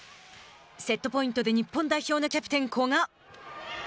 セットポイントで日本代表のキャプテン古賀。